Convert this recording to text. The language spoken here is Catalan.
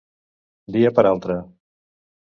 Dia per altre.